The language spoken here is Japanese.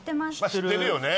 知ってるよね。